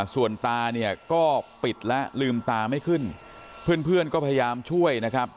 ส่วนตาเนี่ยก็ปิดและลืมตาไม่ขึ้นเพื่อนก็พยายามช่วยนะครับ